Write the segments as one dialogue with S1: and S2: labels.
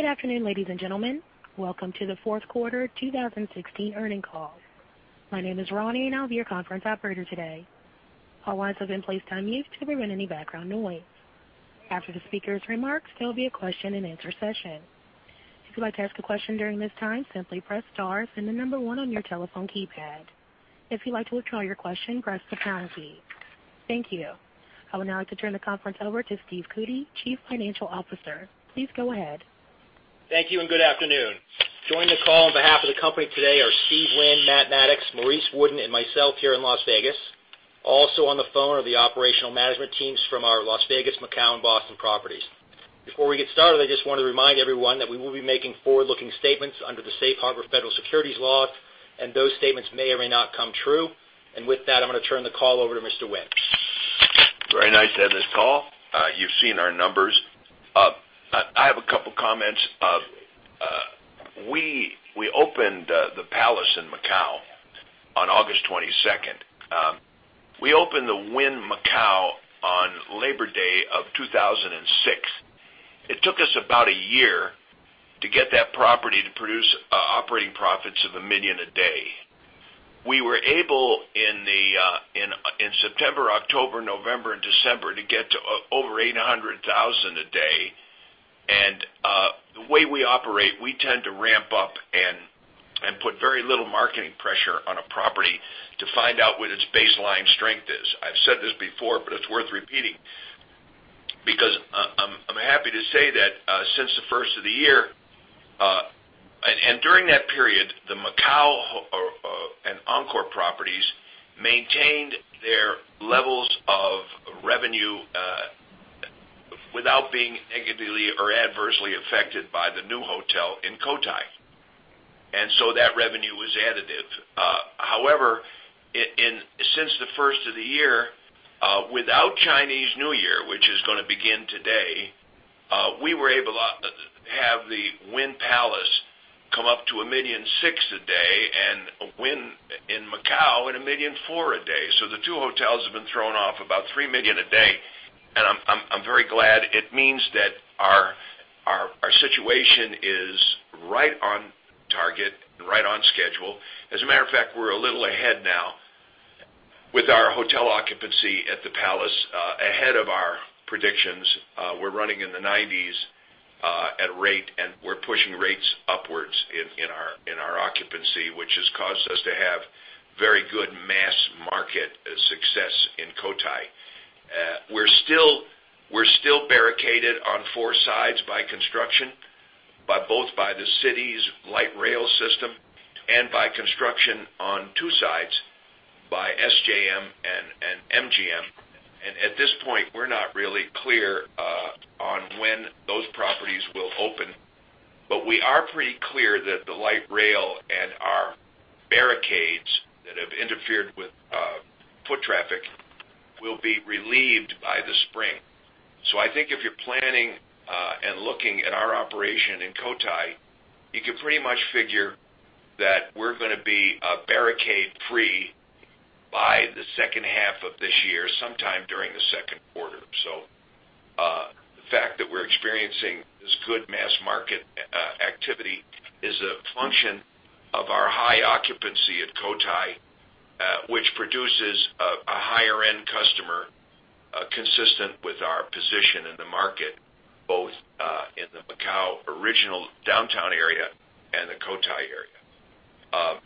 S1: Good afternoon, ladies and gentlemen. Welcome to the fourth quarter 2016 earnings call. My name is Ronnie, and I'll be your conference operator today. All lines have been placed on mute to prevent any background noise. After the speaker's remarks, there will be a question and answer session. If you'd like to ask a question during this time, simply press star and the number 1 on your telephone keypad. If you'd like to withdraw your question, press the pound key. Thank you. I would now like to turn the conference over to Steve Cootey, Chief Financial Officer. Please go ahead.
S2: Thank you. Good afternoon. Joining the call on behalf of the company today are Steve Wynn, Matt Maddox, Maurice Wooden, and myself here in Las Vegas. Also on the phone are the operational management teams from our Las Vegas, Macau, and Boston properties. Before we get started, I just want to remind everyone that we will be making forward-looking statements under the safe harbor federal securities laws, and those statements may or may not come true. With that, I'm going to turn the call over to Mr. Wynn.
S3: Very nice to have this call. You've seen our numbers. I have a couple of comments. We opened Wynn Palace in Macau on August 22nd. We opened the Wynn Macau on Labor Day of 2006. It took us about a year to get that property to produce operating profits of $1 million a day. We were able, in September, October, November, and December, to get to over $800,000 a day. The way we operate, we tend to ramp up and put very little marketing pressure on a property to find out what its baseline strength is. I've said this before, it's worth repeating because I'm happy to say that since the first of the year, during that period, the Wynn Macau and Encore properties maintained their levels of revenue without being negatively or adversely affected by the new hotel in Cotai. That revenue was additive. However, since the first of the year, without Chinese New Year, which is going to begin today, we were able to have the Wynn Palace come up to $1.6 million a day and Wynn Macau at $1.4 million a day. The two hotels have been thrown off about $3 million a day, I'm very glad. It means that our situation is right on target and right on schedule. As a matter of fact, we're a little ahead now with our hotel occupancy at Wynn Palace, ahead of our predictions. We're running in the 90s at rate, we're pushing rates upwards in our occupancy, which has caused us to have very good mass market success in Cotai. We're still barricaded on four sides by construction, both by the city's light rail system and by construction on two sides by SJM and MGM. At this point, we're not really clear on when those properties will open. We are pretty clear that the light rail and our barricades that have interfered with foot traffic will be relieved by the spring. I think if you're planning and looking at our operation in Cotai, you can pretty much figure that we're going to be barricade-free by the second half of this year, sometime during the second quarter. The fact that we're experiencing this good mass market activity is a function of our high occupancy at Cotai, which produces a higher-end customer consistent with our position in the market, both in the Macau original downtown area and the Cotai area.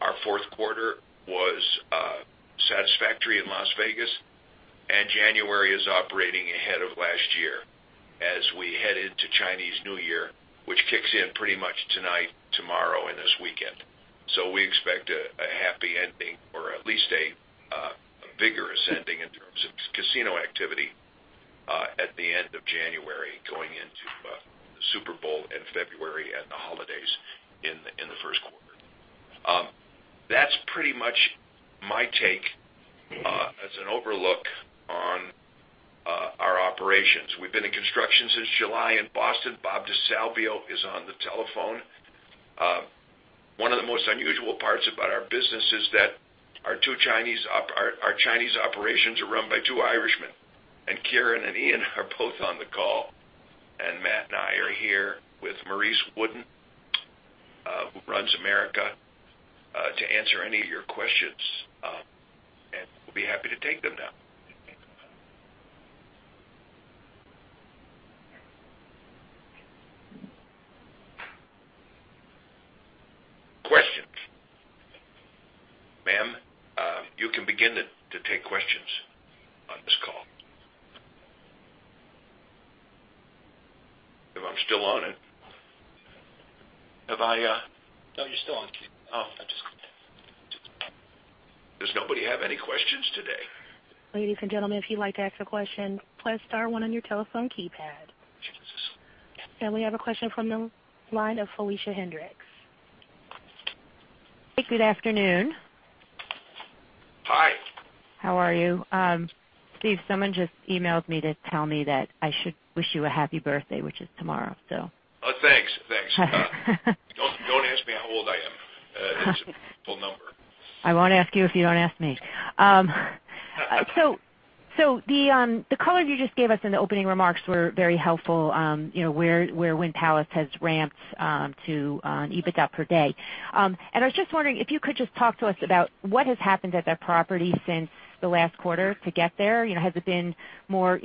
S3: Our fourth quarter was satisfactory in Las Vegas. January is operating ahead of last year as we head into Chinese New Year, which kicks in pretty much tonight, tomorrow and this weekend. We expect a happy ending or at least a vigorous ending in terms of casino activity at the end of January going into the Super Bowl in February and the holidays in the first quarter. That's pretty much my take as an overlook on our operations. We've been in construction since July in Boston. Bob DeSalvio is on the telephone. One of the most unusual parts about our business is that our Chinese operations are run by two Irishmen, and Kieran and Ian are both on the call. Matt and I are here with Maurice Wooden, who runs America, to answer any of your questions. We'll be happy to take them now. Questions. Ma'am, you can begin to take questions on this call. If I'm still on it?
S2: No, you're still on.
S3: Does nobody have any questions today?
S1: Ladies and gentlemen, if you'd like to ask a question, press star one on your telephone keypad. We have a question from the line of Felicia Hendrix.
S4: Good afternoon.
S3: Hi.
S4: How are you? Steve, someone just emailed me to tell me that I should wish you a happy birthday, which is tomorrow.
S3: Oh, thanks. Don't ask me how old I am. It's a full number
S4: I won't ask you if you don't ask me. The colors you just gave us in the opening remarks were very helpful, where Wynn Palace has ramped to EBITDA per day. I was just wondering if you could just talk to us about what has happened at that property since the last quarter to get there. Has it been more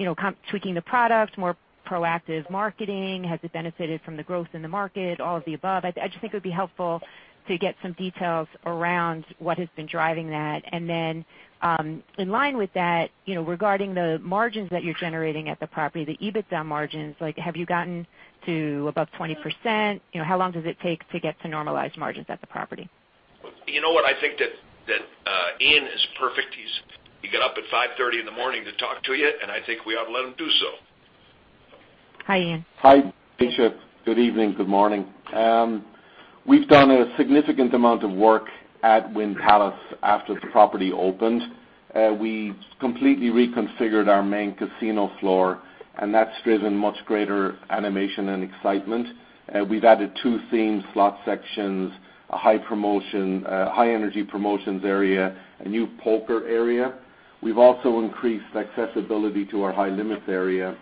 S4: tweaking the product, more proactive marketing? Has it benefited from the growth in the market? All of the above? I just think it would be helpful to get some details around what has been driving that. Then, in line with that, regarding the margins that you're generating at the property, the EBITDA margins, have you gotten to above 20%? How long does it take to get to normalized margins at the property?
S3: You know what? I think that Ian is perfect. He got up at 5:30 in the morning to talk to you, and I think we ought to let him do so.
S4: Hi, Ian.
S5: Hi, Rich. Good evening. Good morning. We've done a significant amount of work at Wynn Palace after the property opened. We completely reconfigured our main casino floor, that's driven much greater animation and excitement. We've added two themed slot sections, a high-energy promotions area, a new poker area. We've also increased accessibility to our high limits area.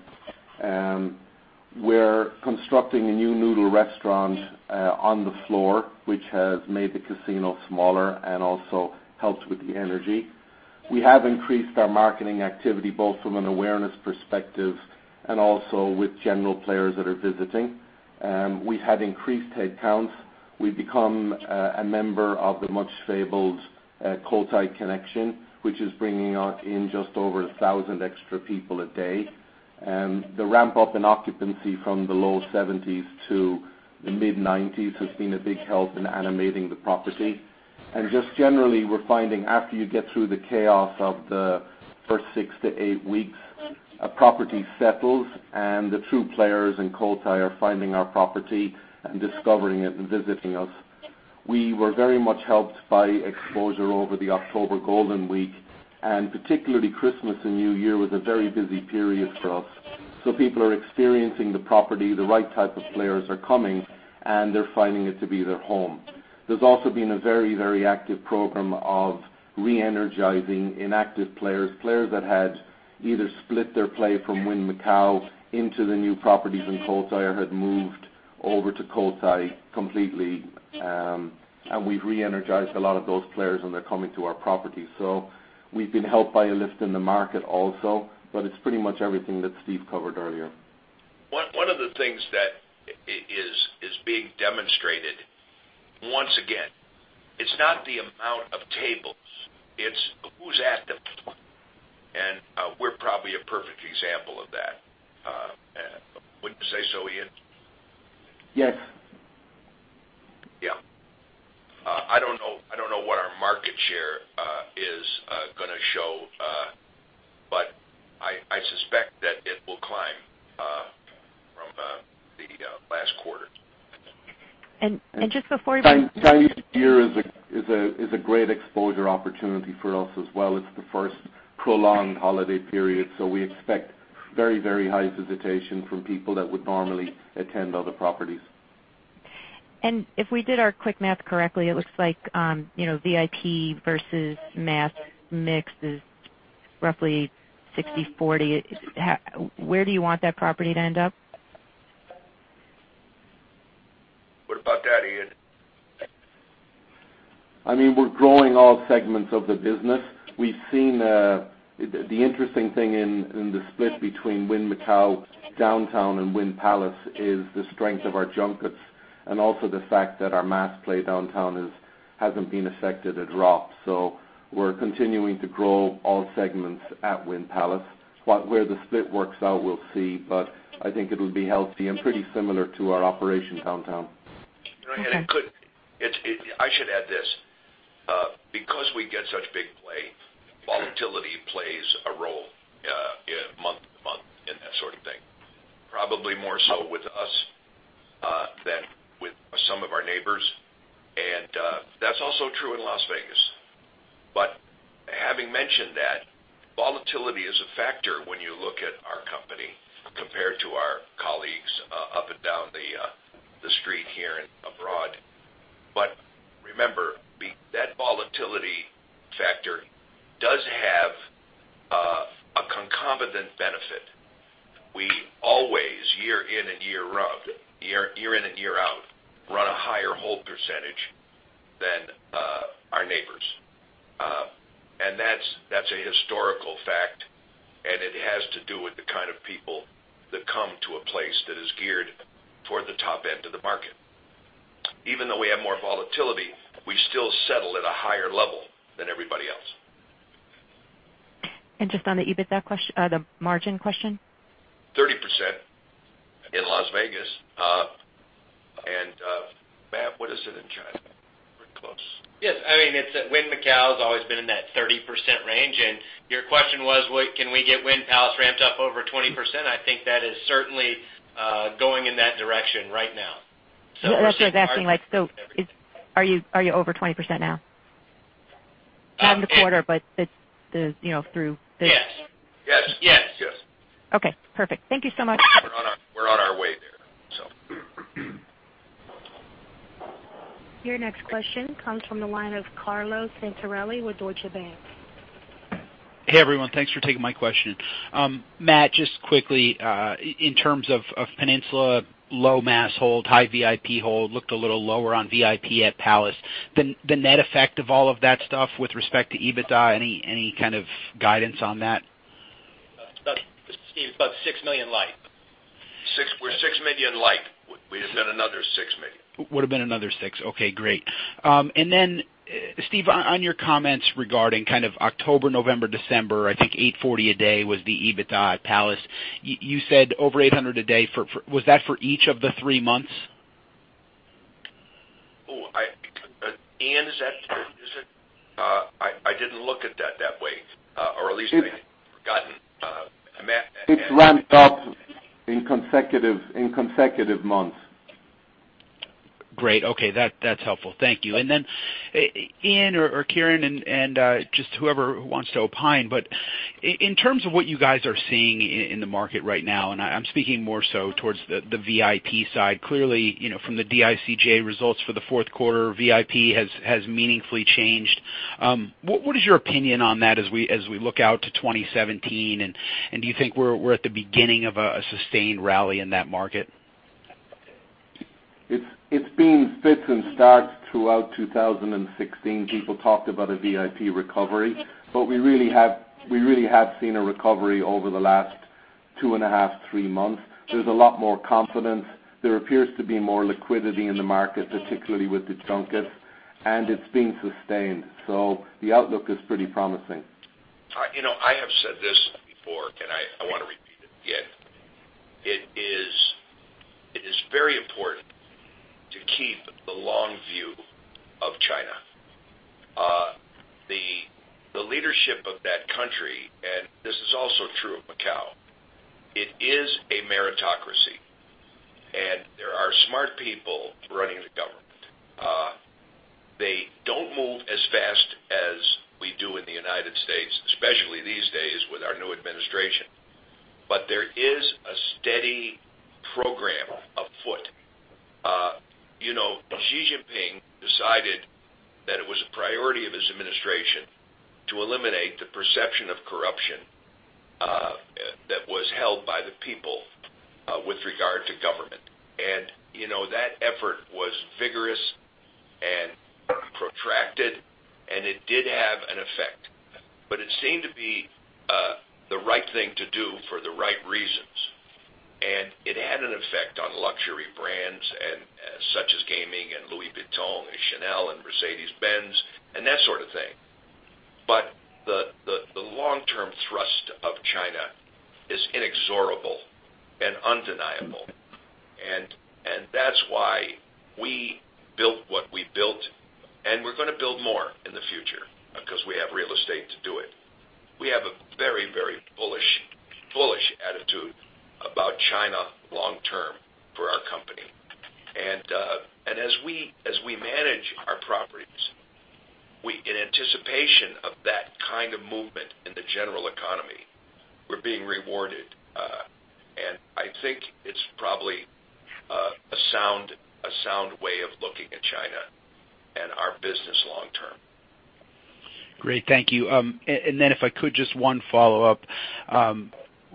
S5: We're constructing a new noodle restaurant on the floor, which has made the casino smaller and also helps with the energy. We have increased our marketing activity, both from an awareness perspective and also with general players that are visiting. We had increased headcounts. We've become a member of the much-fabled Cotai Connection, which is bringing in just over 1,000 extra people a day. The ramp-up in occupancy from the low 70s to the mid-90s has been a big help in animating the property. Just generally, we're finding after you get through the chaos of the first six to eight weeks, a property settles, the true players in Cotai are finding our property and discovering it and visiting us. We were very much helped by exposure over the October Golden Week, particularly Christmas and New Year was a very busy period for us. People are experiencing the property, the right type of players are coming, they're finding it to be their home. There's also been a very active program of re-energizing inactive players that had either split their play from Wynn Macau into the new properties in Cotai, or had moved over to Cotai completely. We've re-energized a lot of those players, they're coming to our property. We've been helped by a lift in the market also, but it's pretty much everything that Steve covered earlier.
S3: One of the things that is being demonstrated, once again, it's not the amount of tables, it's who's at the table. We're probably a perfect example of that. Wouldn't you say so, Ian?
S5: Yes.
S3: Yeah. I don't know what our market share is going to show, but I suspect that it will climb from the last quarter.
S4: Just before we-
S5: Chinese New Year is a great exposure opportunity for us as well. It's the first prolonged holiday period. We expect very high visitation from people that would normally attend other properties.
S4: If we did our quick math correctly, it looks like VIP versus mass mix is roughly 60/40. Where do you want that property to end up?
S3: What about that, Ian?
S5: We're growing all segments of the business. The interesting thing in the split between Wynn Macau Downtown and Wynn Palace is the strength of our junkets and also the fact that our mass play Downtown hasn't been affected a drop. We're continuing to grow all segments at Wynn Palace. Where the split works out, we'll see, but I think it'll be healthy and pretty similar to our operation Downtown.
S4: Okay.
S3: I should add this. Because we get such big play, volatility plays a role month to month and that sort of thing. Probably more so with us than with some of our neighbors. That's also true in Las Vegas. Having mentioned that, volatility is a factor when you look at our company compared to our colleagues up and down the street here and abroad. Remember, that volatility factor does have a concomitant benefit. We always, year in and year out, run a higher hold percentage than our neighbors. That's a historical fact, and it has to do with the kind of people that come to a place that is geared toward the top end of the market. Even though we have more volatility, we still settle at a higher level than everybody else.
S4: Just on the EBITDA margin question.
S3: 30% in Las Vegas. Matt, what is it in China? Pretty close.
S6: Yes. Wynn Macau has always been in that 30% range, your question was, can we get Wynn Palace ramped up over 20%. I think that is certainly going in that direction right now.
S4: That's what I was asking, are you over 20% now? Not in the quarter, through the-
S3: Yes.
S6: Yes.
S3: Yes.
S4: Okay, perfect. Thank you so much.
S3: You're welcome.
S1: Your next question comes from the line of Carlo Santarelli with Deutsche Bank.
S7: Hey, everyone. Thanks for taking my question. Matt, just quickly, in terms of Peninsula, low mass hold, high VIP hold, looked a little lower on VIP at Palace. The net effect of all of that stuff with respect to EBITDA, any kind of guidance on that?
S6: Steve, about $6 million light.
S3: We're $6 million light. Would've been another $6 million.
S7: Would've been another $6 million. Okay, great. Steve, on your comments regarding October, November, December, I think $840 a day was the EBITDA at Palace. You said over $800 a day. Was that for each of the three months?
S3: Ian, is that it? I didn't look at that that way or at least may have forgotten. Matt.
S5: It ramped up in consecutive months.
S7: Great. Okay. That's helpful. Thank you. Then, Ian or Kieran, and just whoever wants to opine, but in terms of what you guys are seeing in the market right now, and I'm speaking more so towards the VIP side. Clearly, from the DICJ results for the fourth quarter, VIP has meaningfully changed. What is your opinion on that as we look out to 2017, and do you think we're at the beginning of a sustained rally in that market?
S5: It's been fits and starts throughout 2016. People talked about a VIP recovery, but we really have seen a recovery over the last two and a half, three months. There's a lot more confidence. There appears to be more liquidity in the market, particularly with the junkets, and it's been sustained. The outlook is pretty promising.
S3: I have said this before, and I want to repeat it again. It is very important to keep the long view of China. The leadership of that country, and this is also true of Macau, it is a meritocracy, and there are smart people running the government. They don't move as fast as we do in the U.S., especially these days with our new administration. There is a steady program afoot. Xi Jinping decided that it was a priority of his administration to eliminate the perception of corruption that was held by the people with regard to government. That effort was vigorous and protracted, and it did have an effect. It seemed to be the right thing to do for the right reasons. It had an effect on luxury brands such as gaming and Louis Vuitton and Chanel and Mercedes-Benz, and that sort of thing. The long-term thrust of China is inexorable and undeniable. That's why we built what we built, and we're going to build more in the future because we have real estate to do it. We have a very bullish attitude about China long term for our company. As we manage our properties, in anticipation of that kind of movement in the general economy, we're being rewarded. I think it's probably a sound way of looking at China and our business long term.
S7: Great. Thank you. If I could, just one follow-up.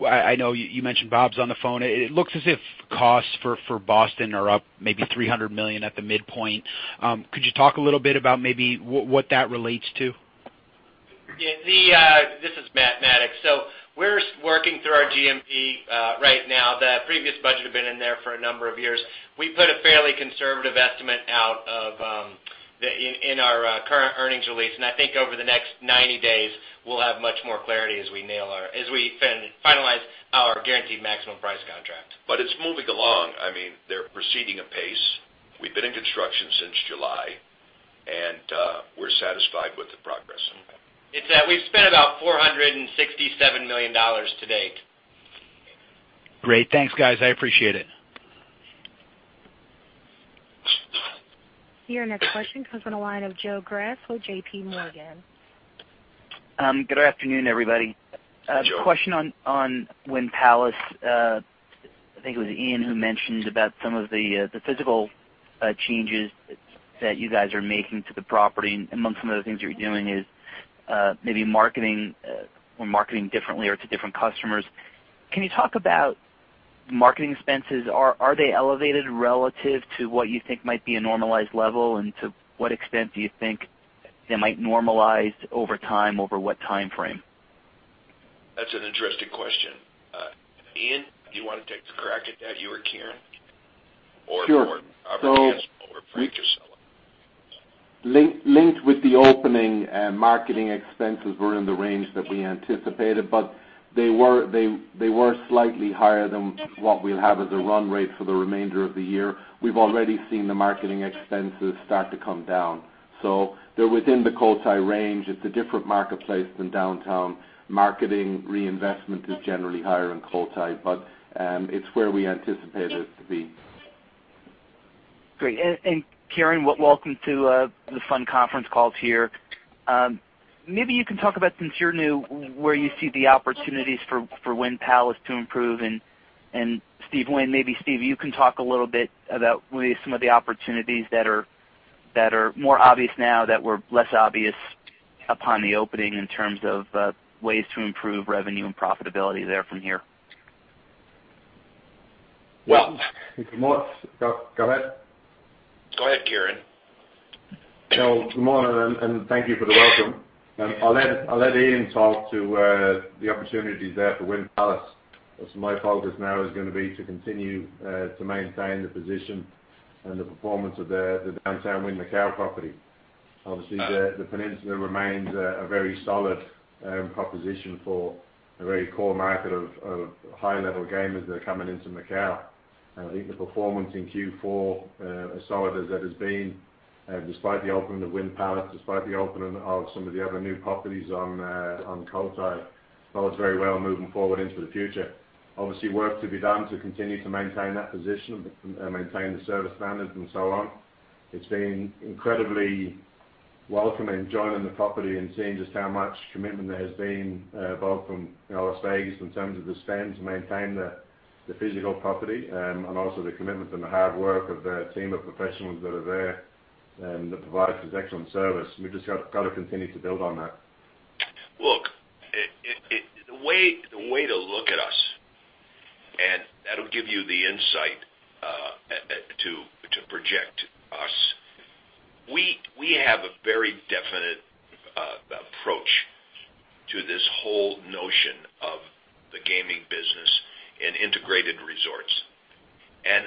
S7: I know you mentioned Bob's on the phone. It looks as if costs for Wynn Boston Harbor are up maybe $300 million at the midpoint. Could you talk a little bit about maybe what that relates to?
S6: This is Matt Maddox. We're working through our GMP right now. The previous budget had been in there for a number of years. We put a fairly conservative estimate out in our current earnings release, and I think over the next 90 days, we'll have much more clarity as we finalize our guaranteed maximum price contract.
S3: It's moving along. They're proceeding apace. We've been in construction since July, and we're satisfied with the progress.
S6: It's that we've spent about $467 million to date.
S7: Great. Thanks, guys. I appreciate it.
S1: Your next question comes on the line of Joe Greff with J.P. Morgan.
S8: Good afternoon, everybody.
S3: Joe.
S8: A question on Wynn Palace. I think it was Ian who mentioned about some of the physical changes that you guys are making to the property, amongst some of the things you're doing is maybe marketing differently or to different customers. Can you talk about marketing expenses? Are they elevated relative to what you think might be a normalized level? To what extent do you think they might normalize over time, over what time frame?
S3: That's an interesting question. Ian, do you want to take a crack at that, you or Karen?
S5: Sure.
S3: Robert Hagerman or Frank Casella.
S5: Linked with the opening, marketing expenses were in the range that we anticipated, but they were slightly higher than what we'll have as a run rate for the remainder of the year. We've already seen the marketing expenses start to come down. They're within the Cotai range. It's a different marketplace than downtown. Marketing reinvestment is generally higher in Cotai, but it's where we anticipated it to be.
S8: Great. Karen, welcome to the fun conference calls here. Maybe you can talk about, since you're new, where you see the opportunities for Wynn Palace to improve. Steve Wynn, maybe Steve, you can talk a little bit about maybe some of the opportunities that are more obvious now that were less obvious upon the opening in terms of ways to improve revenue and profitability there from here.
S3: Well-
S9: Go ahead.
S3: Go ahead, Kieran.
S9: No. Good morning, and thank you for the welcome. I'll let Ian talk to the opportunities there for Wynn Palace. As my focus now is going to be to continue to maintain the position and the performance of the downtown Wynn Macau property. Obviously, the Peninsula remains a very solid proposition for a very core market of high-level gamers that are coming into Macau. I think the performance in Q4 as solid as it has been, despite the opening of Wynn Palace, despite the opening of some of the other new properties on Cotai, bodes very well moving forward into the future. Obviously, work to be done to continue to maintain that position, maintain the service standards, and so on. It's been incredibly welcome in joining the property and seeing just how much commitment there has been, both from Las Vegas in terms of the spend to maintain the physical property, and also the commitment and the hard work of the team of professionals that are there and that provides us excellent service. We've just got to continue to build on that.
S3: Look, the way to look at us, and that'll give you the insight to project us. We have a very definite approach to this whole notion of the gaming business in integrated resorts.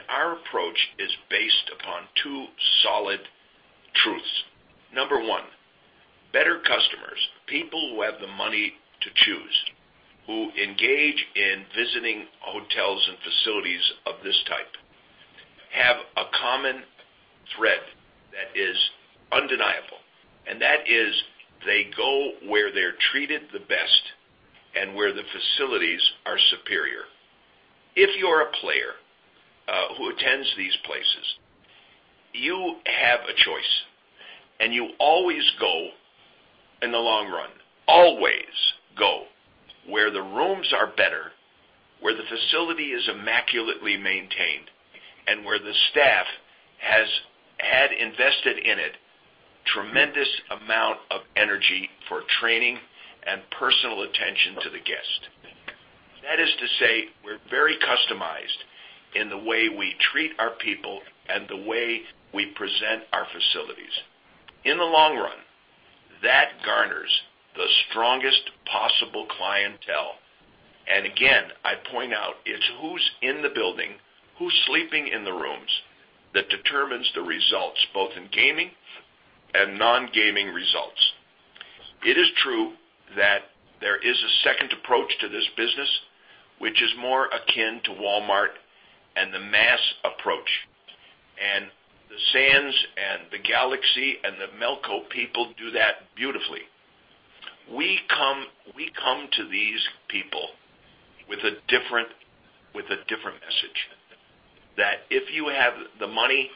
S3: Our approach is based upon two solid truths. Number one, better customers, people who have the money to choose, who engage in visiting hotels and facilities of this type, have a common thread that is undeniable, and that is they go where they're treated the best and where the facilities are superior. If you're a player who attends these places, you have a choice, and you always go in the long run, always go where the rooms are better, where the facility is immaculately maintained, and where the staff had invested in it tremendous amount of energy for training and personal attention to the guest. That is to say we're very customized in the way we treat our people and the way we present our facilities. In the long run, that garners the strongest possible clientele. Again, I point out it's who's in the building, who's sleeping in the rooms that determines the results, both in gaming and non-gaming results. It is true that there is a second approach to this business, which is more akin to Walmart and the mass approach. The Sands and the Galaxy and the Melco people do that beautifully. We come to these people with a different message. That if you have the money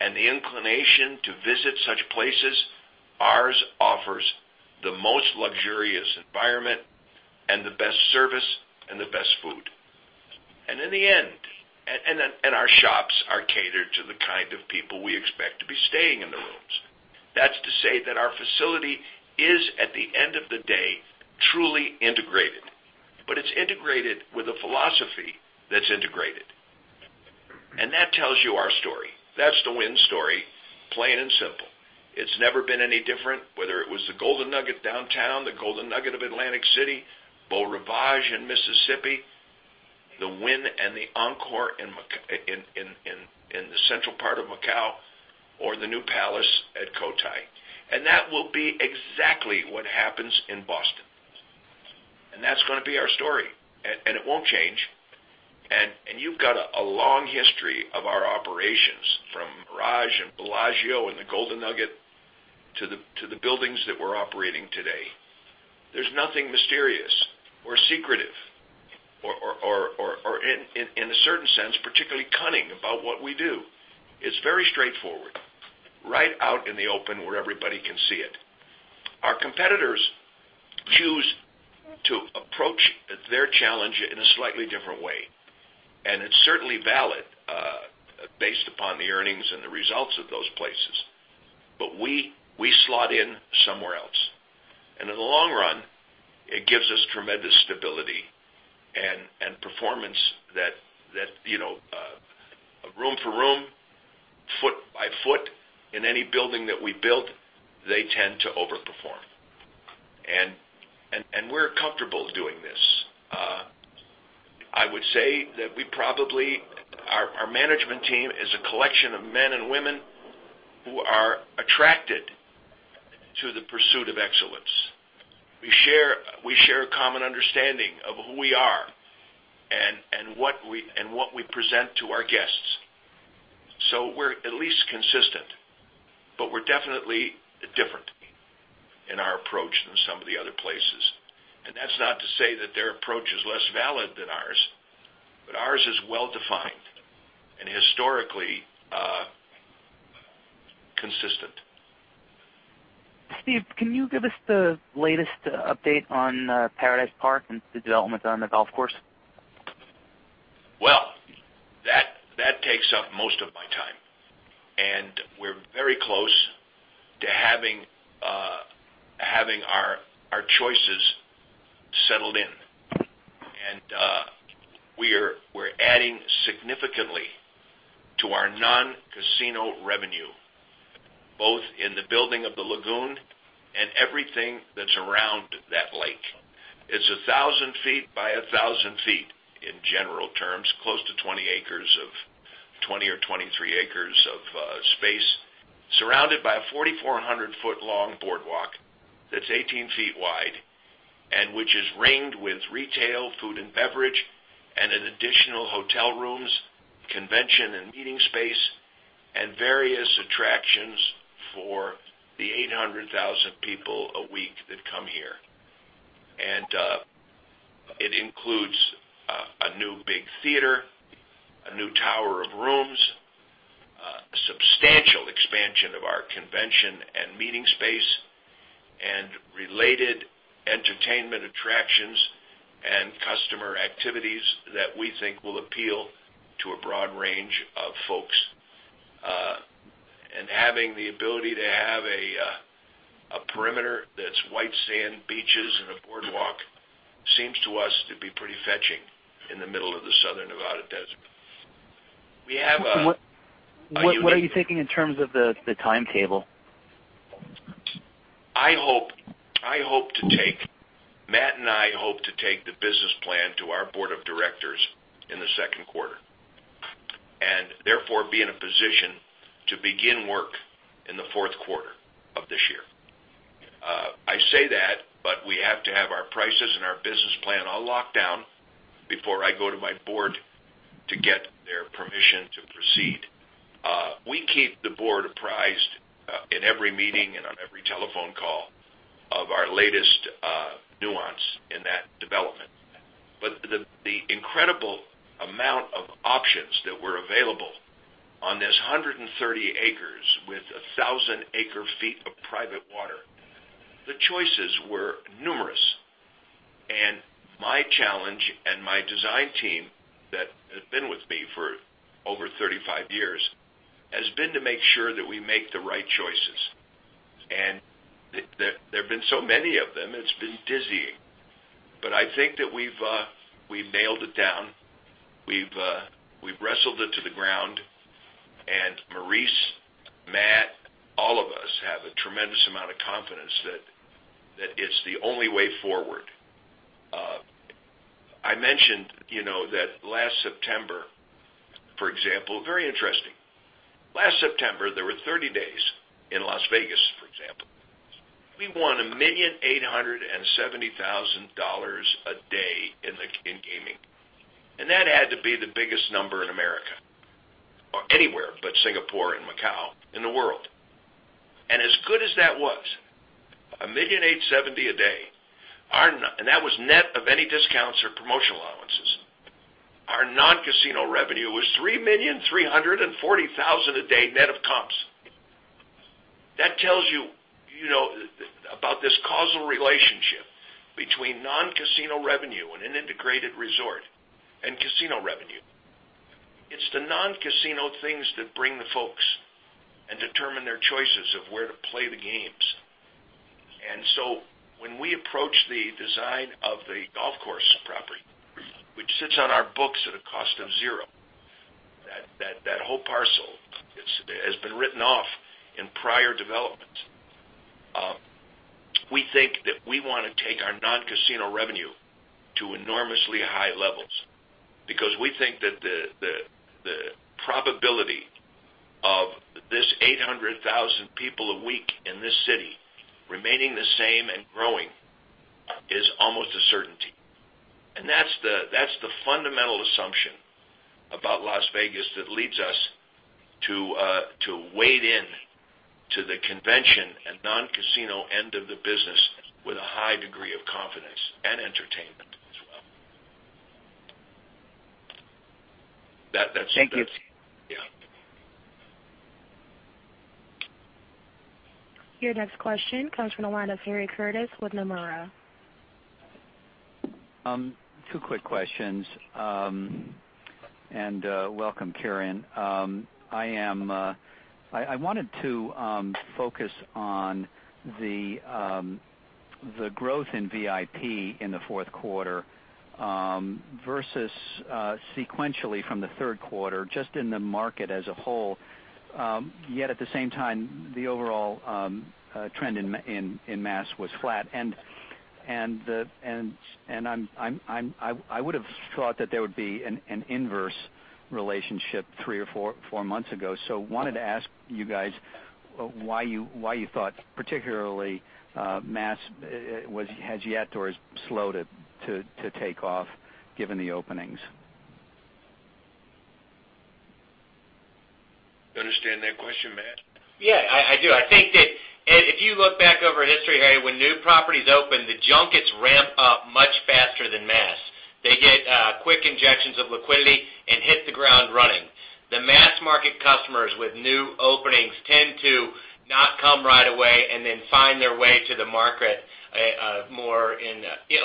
S3: and the inclination to visit such places, ours offers the most luxurious environment and the best service and the best food. Our shops are catered to the kind of people we expect to be staying in the rooms. That's to say that our facility is, at the end of the day, truly integrated, but it's integrated with a philosophy that's integrated. That tells you our story. That's the Wynn story, plain and simple. It's never been any different, whether it was the Golden Nugget downtown, the Golden Nugget of Atlantic City, Beau Rivage in Mississippi, the Wynn and the Encore in the central part of Macau or the new Palace at Cotai. That will be exactly what happens in Boston. That's going to be our story, and it won't change. You've got a long history of our operations, from Mirage and Bellagio and the Golden Nugget to the buildings that we're operating today. There's nothing mysterious or secretive or, in a certain sense, particularly cunning about what we do. It's very straightforward, right out in the open where everybody can see it. Our competitors choose to approach their challenge in a slightly different way, and it's certainly valid, based upon the earnings and the results of those places. We slot in somewhere else. In the long run, it gives us tremendous stability and performance that, room for room, foot by foot in any building that we build, they tend to overperform. We're comfortable doing this. Our management team is a collection of men and women who are attracted to the pursuit of excellence. We share a common understanding of who we are and what we present to our guests. We're at least consistent, but we're definitely different in our approach than some of the other places. That's not to say that their approach is less valid than ours, but ours is well-defined and historically consistent.
S8: Steve, can you give us the latest update on Paradise Park and the developments on the golf course?
S3: Well, that takes up most of my time, we're very close to having our choices settled in. We're adding significantly to our non-casino revenue, both in the building of the lagoon and everything that's around that lake. It's 1,000 feet by 1,000 feet, in general terms, close to 20 or 23 acres of space, surrounded by a 4,400-foot-long boardwalk that's 18 feet wide, which is ringed with retail, food and beverage, an additional hotel rooms, convention and meeting space, and various attractions for the 800,000 people a week that come here. It includes a new big theater, a new tower of rooms, a substantial expansion of our convention and meeting space, and related entertainment attractions and customer activities that we think will appeal to a broad range of folks. Having the ability to have a perimeter that's white sand beaches and a boardwalk seems to us to be pretty fetching in the middle of the southern Nevada desert. We have a unique.
S8: What are you thinking in terms of the timetable?
S3: Matt and I hope to take the business plan to our board of directors in the second quarter. Therefore, be in a position to begin work in the fourth quarter of this year. I say that, we have to have our prices and our business plan all locked down before I go to my board to get their permission to proceed. We keep the board apprised in every meeting and on every telephone call of our latest nuance in that development. The incredible amount of options that were available on this 130 acres with 1,000 acre feet of private water, the choices were numerous. My challenge and my design team that has been with me for over 35 years, has been to make sure that we make the right choices. There've been so many of them, it's been dizzying. I think that we've nailed it down. We've wrestled it to the ground. Maurice, Matt, all of us have a tremendous amount of confidence that it's the only way forward. I mentioned that last September, for example, very interesting. Last September, there were 30 days in Las Vegas, for example. We won $1,870,000 a day in gaming, that had to be the biggest number in America or anywhere but Singapore and Macau in the world. As good as that was, $1,870,000 a day, that was net of any discounts or promotional allowances, our non-casino revenue was $3,340,000 a day net of comps. That tells you about this causal relationship between non-casino revenue in an integrated resort and casino revenue. It's the non-casino things that bring the folks and determine their choices of where to play the games. When we approach the design of the golf course property, which sits on our books at a cost of zero, that whole parcel has been written off in prior developments. We think that we want to take our non-casino revenue to enormously high levels because we think that the probability of this 800,000 people a week in this city remaining the same and growing is almost a certainty. That's the fundamental assumption about Las Vegas that leads us to wade in to the convention and non-casino end of the business with a high degree of confidence and entertainment as well.
S8: Thank you.
S3: Yeah.
S1: Your next question comes from the line of Harry Curtis with Nomura.
S10: Two quick questions. Welcome, Karen. I wanted to focus on the growth in VIP in the fourth quarter versus sequentially from the third quarter, just in the market as a whole. At the same time, the overall trend in mass was flat, and I would've thought that there would be an inverse relationship three or four months ago. Wanted to ask you guys why you thought particularly mass has yet or has slowed to take off given the openings.
S3: Understand that question, Matt?
S6: Yeah, I do. I think that if you look back over history, Harry, when new properties open, the junkets ramp up much faster than mass. They get quick injections of liquidity and hit the ground running. The mass market customers with new openings tend to not come right away and then find their way to the market a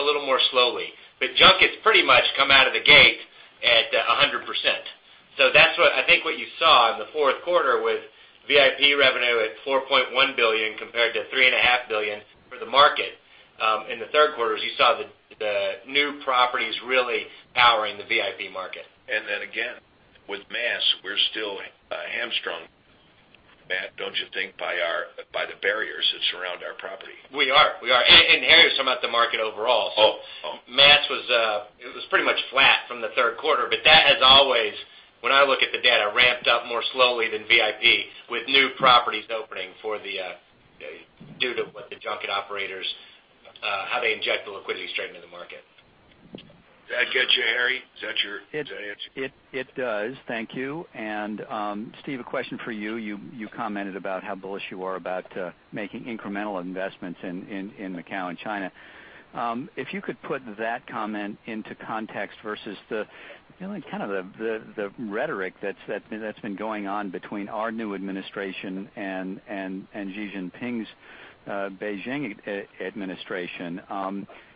S6: little more slowly. Junkets pretty much come out of the gate at 100%. That's, I think, what you saw in the fourth quarter with VIP revenue at $4.1 billion compared to $3.5 billion for the market. In the third quarter, as you saw, the new properties really powering the VIP market.
S3: Again, with mass, we're still hamstrung, Matt, don't you think, by the barriers that surround our property?
S6: We are. Harry, I'm talking about the market overall.
S3: Oh.
S6: Mass was pretty much flat from the third quarter, but that has always, when I look at the data, ramped up more slowly than VIP with new properties opening due to what the junket operators, how they inject the liquidity straight into the market.
S3: That get you, Harry? Does that answer?
S10: It does. Thank you. Steve, a question for you. You commented about how bullish you are about making incremental investments in Macau and China. If you could put that comment into context versus the rhetoric that's been going on between our new administration and Xi Jinping's Beijing administration.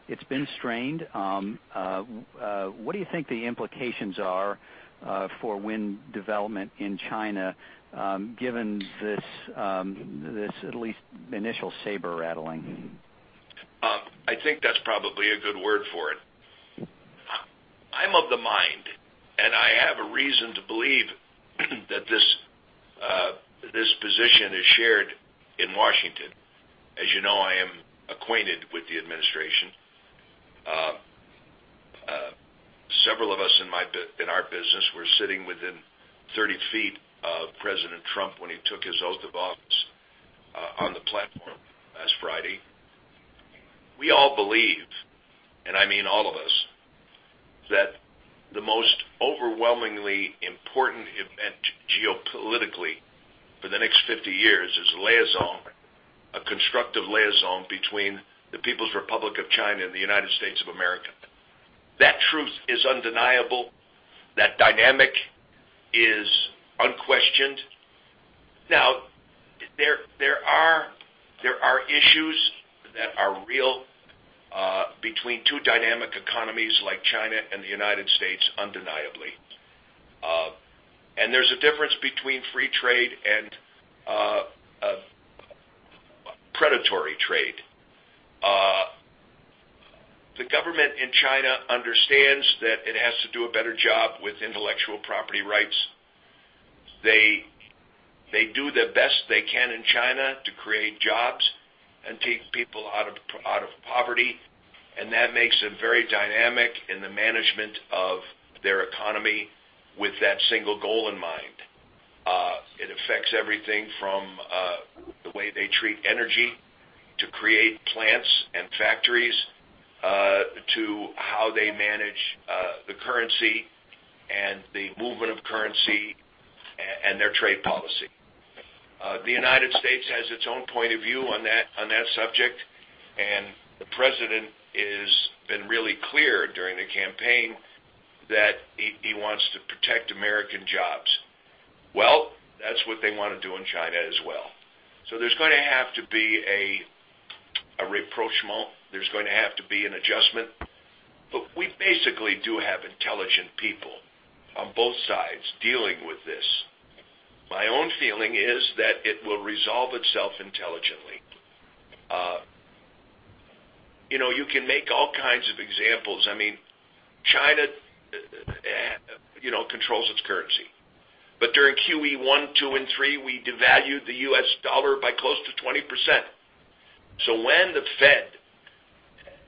S10: It's been strained. What do you think the implications are for Wynn development in China, given this, at least, initial saber-rattling?
S3: I think that's probably a good word for it. I'm of the mind, I have a reason to believe that this position is shared in Washington. As you know, I am acquainted with the administration. Several of us in our business were sitting within 30 feet of President Trump when he took his oath of office on the platform last Friday. We all believe, I mean all of us, that the most overwhelmingly important event geopolitically for the next 50 years is a liaison, a constructive liaison between the People's Republic of China and the United States of America. That truth is undeniable. That dynamic is unquestioned. There are issues that are real between two dynamic economies like China and the United States undeniably. There's a difference between free trade and predatory trade. The government in China understands that it has to do a better job with intellectual property rights. They do the best they can in China to create jobs and take people out of poverty, and that makes them very dynamic in the management of their economy with that single goal in mind. It affects everything from the way they treat energy to create plants and factories, to how they manage the currency and the movement of currency and their trade policy. The United States has its own point of view on that subject, and the president has been really clear during the campaign that he wants to protect American jobs. That's what they want to do in China as well. There's going to have to be a rapprochement. There's going to have to be an adjustment. We basically do have intelligent people on both sides dealing with this. My own feeling is that it will resolve itself intelligently. You can make all kinds of examples. China controls its currency. During QE I, II, and III, we devalued the US dollar by close to 20%. When the Fed,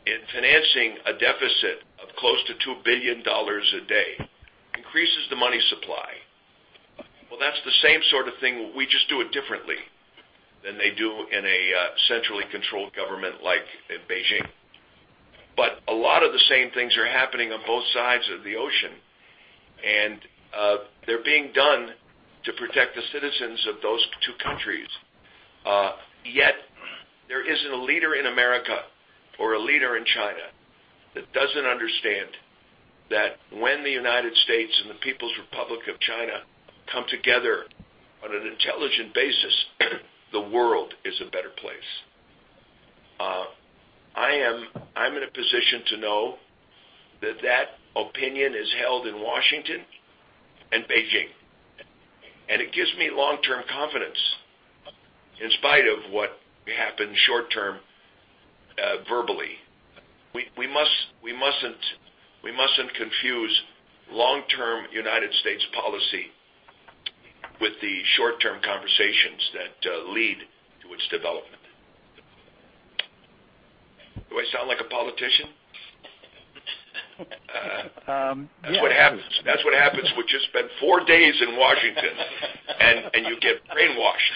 S3: in financing a deficit of close to $2 billion a day, increases the money supply, that's the same sort of thing, we just do it differently than they do in a centrally controlled government like in Beijing. A lot of the same things are happening on both sides of the ocean, and they're being done to protect the citizens of those two countries. There isn't a leader in America or a leader in China that doesn't understand that when the United States and the People's Republic of China come together on an intelligent basis, the world is a better place. I'm in a position to know that that opinion is held in Washington and Beijing, and it gives me long-term confidence in spite of what happened short-term verbally. We mustn't confuse long-term United States policy with the short-term conversations that lead to its development. Do I sound like a politician?
S10: Yes.
S3: That's what happens when you spend four days in Washington and you get brainwashed.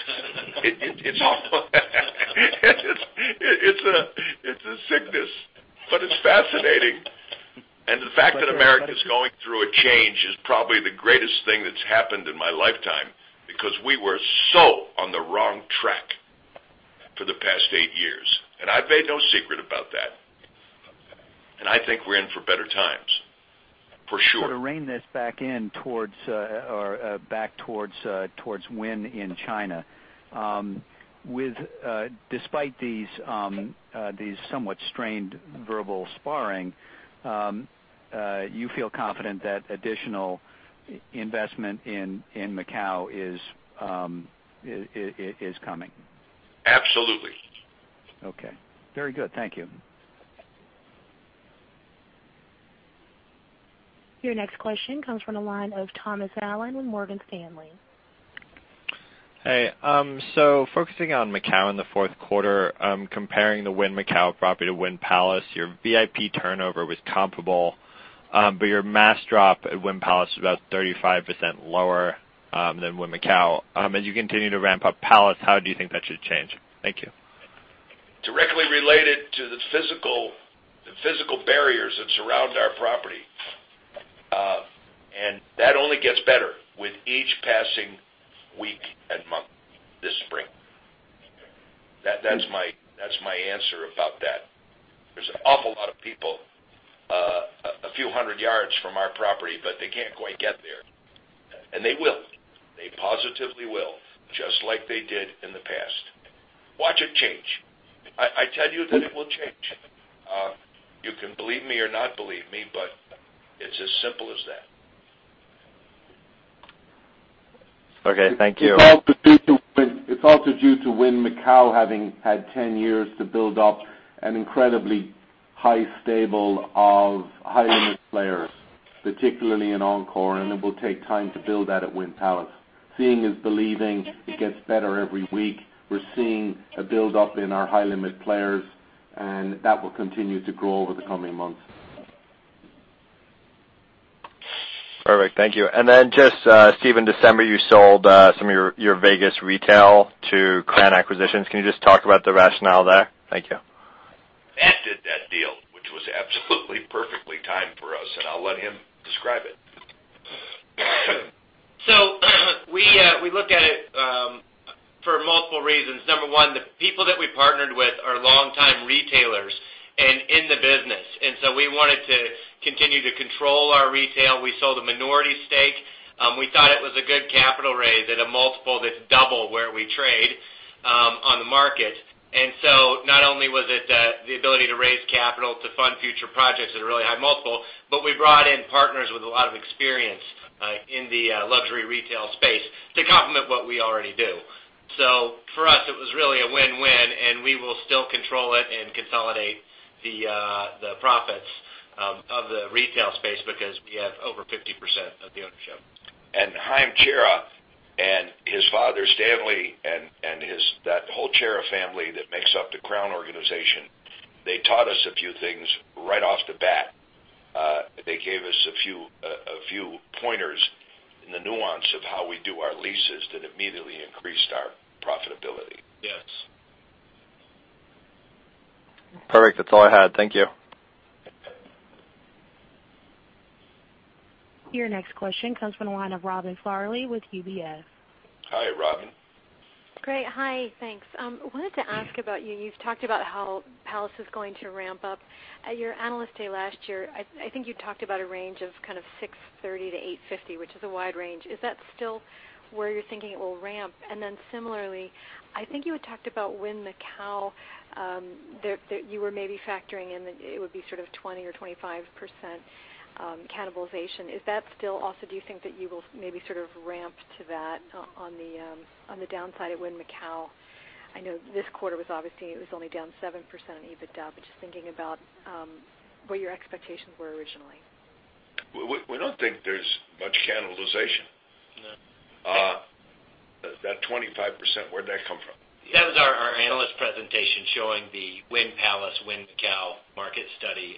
S3: It's a sickness, but it's fascinating. The fact that America's going through a change is probably the greatest thing that's happened in my lifetime, because we were so on the wrong track for the past eight years. I've made no secret about that. I think we're in for better times, for sure.
S10: To rein this back in towards Wynn in China. Despite these somewhat strained verbal sparring, you feel confident that additional investment in Macau is coming?
S3: Absolutely.
S10: Okay. Very good. Thank you.
S1: Your next question comes from the line of Thomas Allen with Morgan Stanley.
S11: Hey. Focusing on Macau in the fourth quarter, comparing the Wynn Macau property to Wynn Palace, your VIP turnover was comparable, but your mass drop at Wynn Palace was about 35% lower than Wynn Macau. As you continue to ramp up Palace, how do you think that should change? Thank you.
S3: Directly related to the physical barriers that surround our property. That only gets better with each passing week and month this spring. That's my answer about that. There's an awful lot of people a few hundred yards from our property, but they can't quite get there. They will. They positively will, just like they did in the past. Watch it change. I tell you that it will change. You can believe me or not believe me, but it's as simple as that.
S11: Okay. Thank you.
S5: It's also due to Wynn Macau having had 10 years to build up an incredibly high-limit stable of high-limit players, particularly in Encore, and it will take time to build that at Wynn Palace. Seeing is believing. It gets better every week. We're seeing a build-up in our high-limit players, and that will continue to grow over the coming months.
S11: Perfect. Thank you. Steve, in December, you sold some of your Vegas retail to Crown Acquisitions. Can you just talk about the rationale there? Thank you.
S3: Matt did that deal, which was absolutely perfectly timed for us, I'll let him describe it.
S6: We looked at it for multiple reasons. Number 1, the people that we partnered with are long-time retailers and in the business. We wanted to continue to control our retail. We sold a minority stake. We thought it was a good capital raise at a multiple that's double where we trade on the market. Not only was it the ability to raise capital to fund future projects at a really high multiple, but we brought in partners with a lot of experience in the luxury retail space to complement what we already do. For us, it was really a win-win, and we will still control it and consolidate the profits of the retail space because we have over 50% of the ownership.
S3: Haim Chera and his father, Stanley, and that whole Chera family that makes up the Crown organization, they taught us a few things right off the bat. They gave us a few pointers in the nuance of how we do our leases that immediately increased our profitability.
S5: Yes.
S11: Perfect. That's all I had. Thank you.
S1: Your next question comes from the line of Robin Farley with UBS.
S3: Hi, Robin.
S12: Great. Hi. Thanks. I wanted to ask about you. You've talked about how Wynn Palace is going to ramp up. At your Analyst Day last year, I think you talked about a range of kind of $630 million-$850 million, which is a wide range. Is that still where you're thinking it will ramp? Similarly, I think you had talked about Wynn Macau, that you were maybe factoring in that it would be sort of 20% or 25% cannibalization. Is that still also, do you think that you will maybe sort of ramp to that on the downside at Wynn Macau? I know this quarter was obviously, it was only down 7% in EBITDA, but just thinking about what your expectations were originally.
S3: We don't think there's much cannibalization.
S5: No.
S3: That 25%, where'd that come from?
S6: That was our analyst presentation showing the Wynn Palace, Wynn Macau market study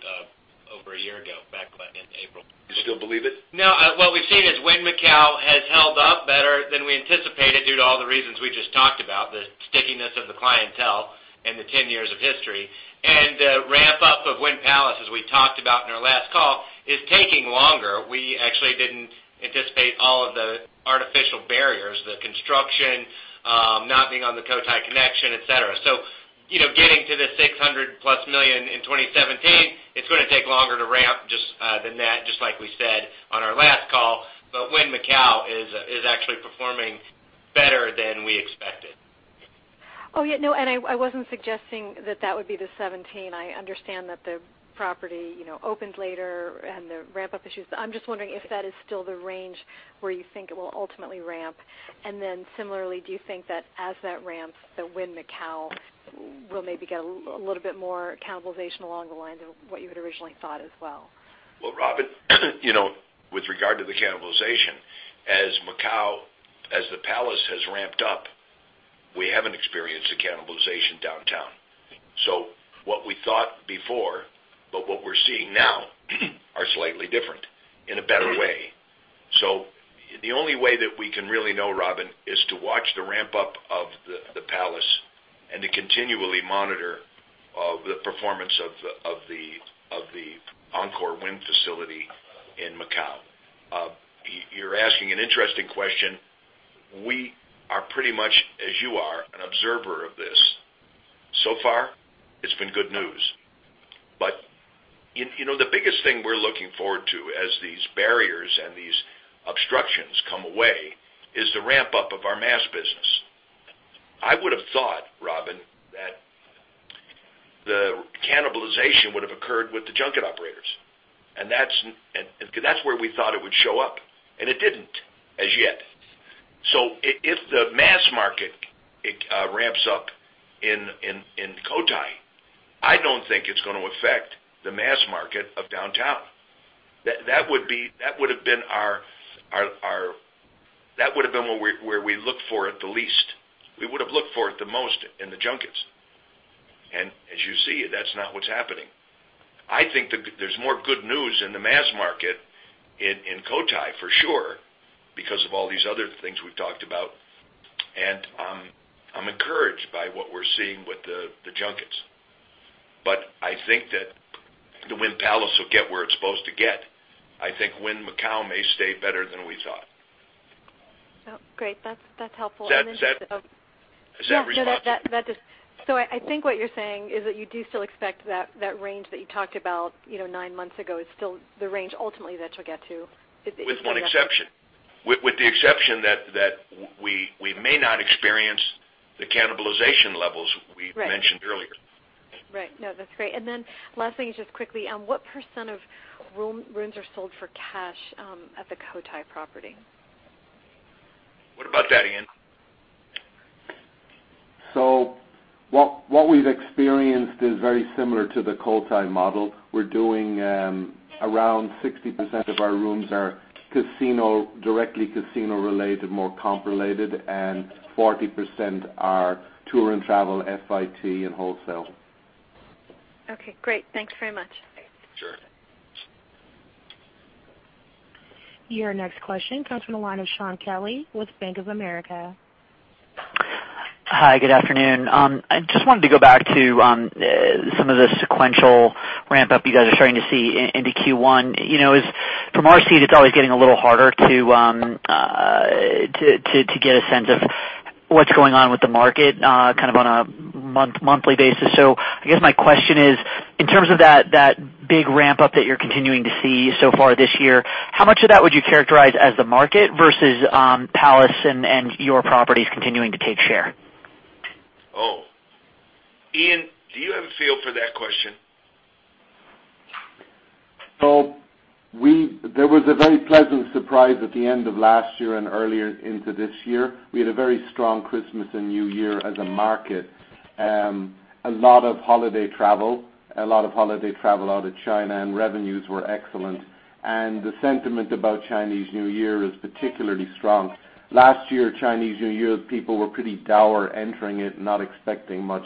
S6: over a year ago, back in April.
S3: You still believe it?
S6: No. What we've seen is Wynn Macau has held up better than we anticipated due to all the reasons we just talked about, the stickiness of the clientele and the 10 years of history. The ramp-up of Wynn Palace, as we talked about in our last call, is taking longer. We actually didn't anticipate all of the artificial barriers, the construction, not being on the Cotai Connection, et cetera. Getting to the $600-plus million in 2017, it's going to take longer to ramp just the net, just like we said on our last call, but Wynn Macau is actually performing better than we expected.
S12: Oh, yeah. No. I wasn't suggesting that that would be the 2017. I understand that the property opened later and the ramp-up issues. I'm just wondering if that is still the range where you think it will ultimately ramp. Similarly, do you think that as that ramps, the Wynn Macau will maybe get a little bit more cannibalization along the lines of what you had originally thought as well?
S3: Well, Robin, with regard to the cannibalization, as Macau, as the Palace has ramped up, we haven't experienced the cannibalization downtown. What we thought before, but what we're seeing now, are slightly different in a better way. The only way that we can really know, Robin, is to watch the ramp-up of the Palace and to continually monitor the performance of the Encore Wynn facility in Macau. You're asking an interesting question. We are pretty much, as you are, an observer of this. So far, it's been good news. The biggest thing we're looking forward to as these barriers and these obstructions come away is the ramp-up of our mass business. I would've thought, Robin, that the cannibalization would have occurred with the junket operators. That's where we thought it would show up, and it didn't, as yet. If the mass market ramps up in Cotai, I don't think it's going to affect the mass market of downtown. That would've been where we looked for it the least. We would've looked for it the most in the junkets. As you see, that's not what's happening. I think there's more good news in the mass market in Cotai for sure, because of all these other things we've talked about, and I'm encouraged by what we're seeing with the junkets. I think that the Wynn Palace will get where it's supposed to get. I think Wynn Macau may stay better than we thought.
S12: Oh, great. That's helpful.
S3: Is that responsive?
S12: I think what you're saying is that you do still expect that range that you talked about nine months ago is still the range ultimately that you'll get to.
S3: With one exception. With the exception that we may not experience the cannibalization levels we mentioned earlier.
S12: Right. No, that's great. Last thing, just quickly, what % of rooms are sold for cash, at the Cotai property?
S3: What about that, Ian?
S5: What we've experienced is very similar to the Cotai model. Around 60% of our rooms are directly casino-related, more comp-related, and 40% are tour and travel, FIT, and wholesale.
S12: Okay, great. Thanks very much.
S5: Sure.
S1: Your next question comes from the line of Shaun Kelley with Bank of America.
S13: Hi, good afternoon. I just wanted to go back to some of the sequential ramp-up you guys are starting to see into Q1. From our seat, it's always getting a little harder to get a sense of what's going on with the market kind of on a monthly basis. I guess my question is, in terms of that big ramp-up that you're continuing to see so far this year, how much of that would you characterize as the market versus Palace and your properties continuing to take share?
S3: Ian, do you have a feel for that question?
S5: There was a very pleasant surprise at the end of last year and earlier into this year. We had a very strong Christmas and New Year as a market. A lot of holiday travel out of China, revenues were excellent. The sentiment about Chinese New Year is particularly strong. Last year, Chinese New Year, people were pretty dour entering it, not expecting much.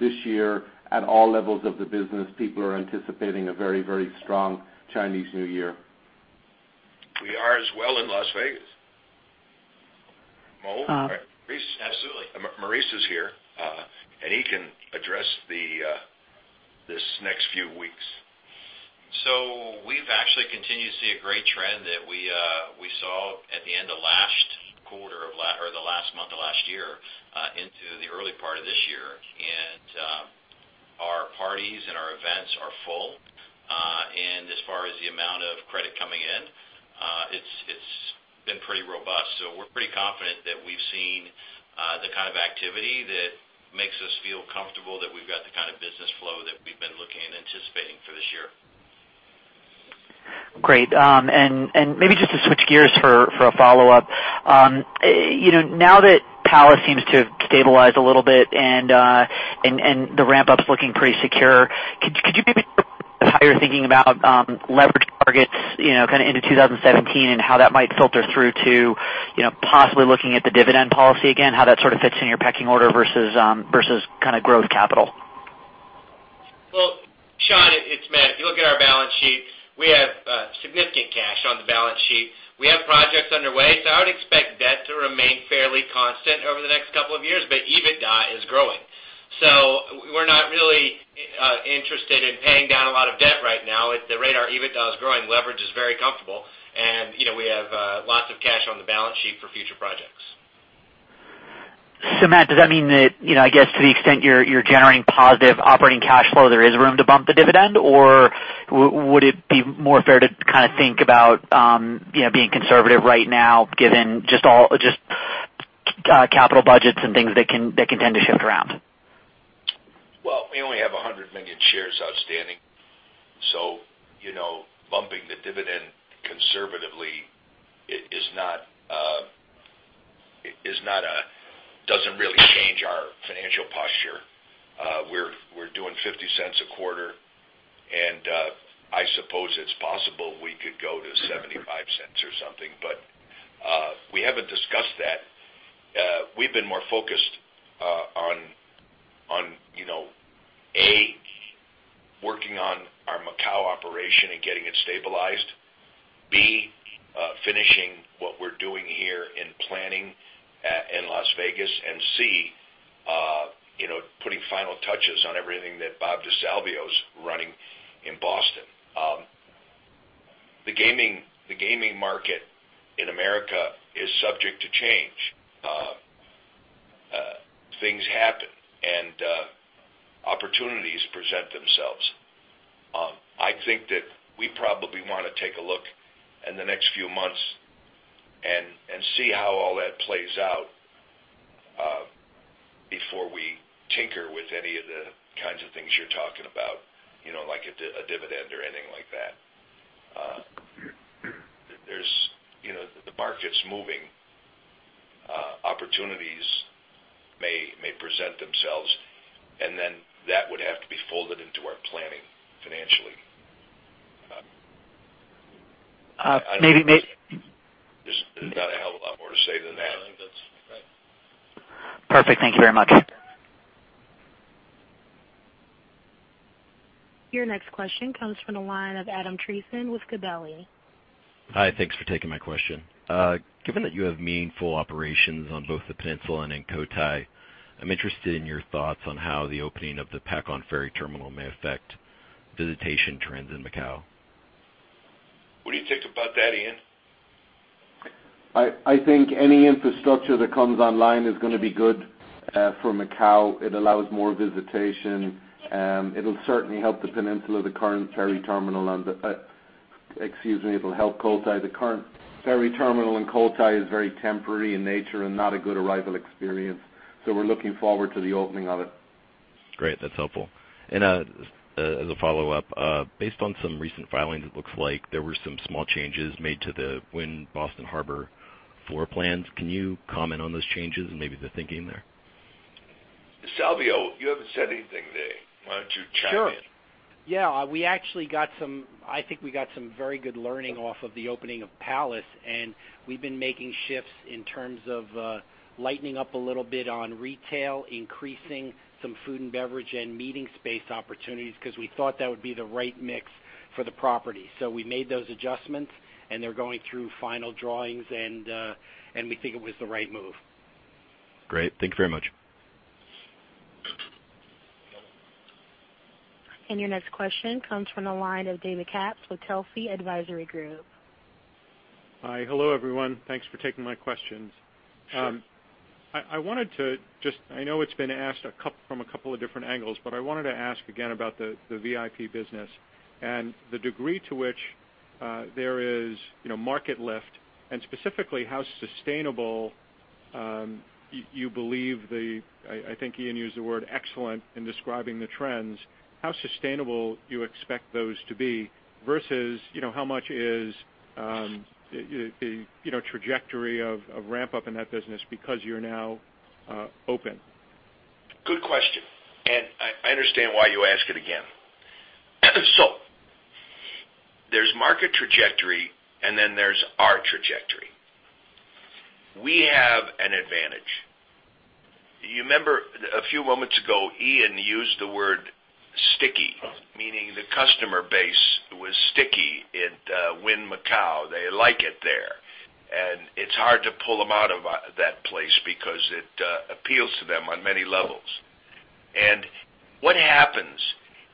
S5: This year, at all levels of the business, people are anticipating a very strong Chinese New Year.
S3: We are as well in Las Vegas. Mo?
S14: Absolutely.
S3: Maurice is here, he can address this next few weeks.
S14: We've actually continued to see a great trend that we saw at the end of last quarter or the last month of last year, into the early part of this year. Our parties and our events are full. As far as the amount of credit coming in, it's been pretty robust. We're pretty confident that we've seen the kind of activity that makes us feel comfortable that we've got the kind of business flow that we've been looking and anticipating for this year.
S13: Great. Maybe just to switch gears for a follow-up. Now that Wynn Palace seems to have stabilized a little bit and the ramp-up is looking pretty secure, could you give me how you're thinking about leverage targets into 2017 and how that might filter through to possibly looking at the dividend policy again, how that sort of fits in your pecking order versus kind of growth capital?
S6: Well, Shaun, it's Matt. If you look at our balance sheet, we have significant cash on the balance sheet. We have projects underway. I would expect debt to remain fairly constant over the next couple of years, but EBITDA is growing. We're not really interested in paying down a lot of debt right now. At the radar, EBITDA is growing, leverage is very comfortable, and we have lots of cash on the balance sheet for future projects.
S13: Matt, does that mean that, I guess to the extent you're generating positive operating cash flow, there is room to bump the dividend? Or would it be more fair to kind of think about being conservative right now given just capital budgets and things that can tend to shift around?
S3: Well, we only have 100 million shares outstanding. Bumping the dividend conservatively doesn't really change our financial posture. We're doing $0.50 a quarter, and I suppose it's possible we could go to $0.75 or something. We haven't discussed that. We've been more focused on Operation and getting it stabilized. B, finishing what we're doing here in planning in Las Vegas. C, putting final touches on everything that Bob DeSalvio is running in Boston. The gaming market in America is subject to change. Things happen, and opportunities present themselves. I think that we probably want to take a look in the next few months and see how all that plays out before we tinker with any of the kinds of things you're talking about, like a dividend or anything like that. The market is moving. Opportunities may present themselves, and then that would have to be folded into our planning financially.
S13: Maybe-
S3: There's not a hell of a lot more to say than that.
S5: I think that's right.
S13: Perfect. Thank you very much.
S1: Your next question comes from the line of Adam Trivison with Gabelli.
S15: Hi. Thanks for taking my question. Given that you have meaningful operations on both the Peninsula and in Cotai, I'm interested in your thoughts on how the opening of the Pac On Ferry Terminal may affect visitation trends in Macau.
S3: What do you think about that, Ian?
S5: I think any infrastructure that comes online is going to be good for Macau. It allows more visitation. It'll certainly help the Peninsula. Excuse me. It'll help Cotai. The current ferry terminal in Cotai is very temporary in nature and not a good arrival experience. We're looking forward to the opening of it.
S15: Great. That's helpful. As a follow-up, based on some recent filings, it looks like there were some small changes made to the Wynn Boston Harbor floor plans. Can you comment on those changes and maybe the thinking there?
S3: DeSalvio, you haven't said anything today. Why don't you chime in?
S16: Sure. Yeah, I think we got some very good learning off of the opening of Wynn Palace. We've been making shifts in terms of lightening up a little bit on retail, increasing some food and beverage, and meeting space opportunities because we thought that would be the right mix for the property. We made those adjustments, they're going through final drawings, and we think it was the right move.
S15: Great. Thank you very much.
S1: Your next question comes from the line of David Katz with Telsey Advisory Group.
S17: Hi. Hello, everyone. Thanks for taking my questions.
S3: Sure.
S17: I know it's been asked from a couple of different angles, I wanted to ask again about the VIP business and the degree to which there is market lift and specifically how sustainable you believe I think Ian used the word excellent in describing the trends. How sustainable you expect those to be versus how much is the trajectory of ramp-up in that business because you're now open?
S3: Good question, I understand why you ask it again. There's market trajectory, and then there's our trajectory. We have an advantage. You remember a few moments ago, Ian used the word sticky, meaning the customer base was sticky in Wynn Macau. They like it there, and it's hard to pull them out of that place because it appeals to them on many levels. What happens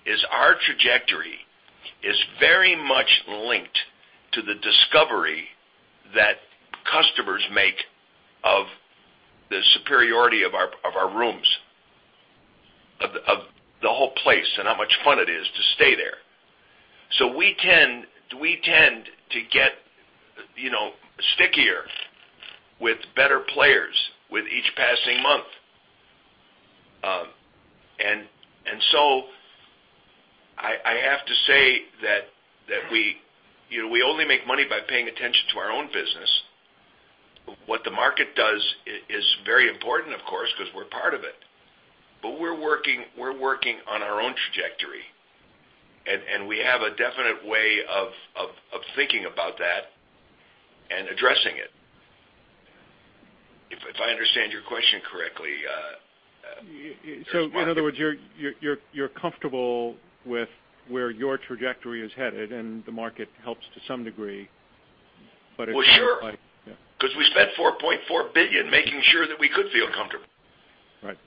S3: is our trajectory is very much linked to the discovery that customers make of the superiority of our rooms, of the whole place, and how much fun it is to stay there. We tend to get stickier with better players with each passing month. I have to say that we only make money by paying attention to our own business. What the market does is very important, of course, because we're part of it. We're working on our own trajectory, and we have a definite way of thinking about that and addressing it. If I understand your question correctly.
S17: In other words, you're comfortable with where your trajectory is headed and the market helps to some degree, but it.
S3: Sure.
S17: Yeah.
S3: We spent $4.4 billion making sure that we could feel comfortable.
S17: Right.